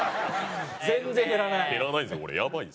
全然減らない。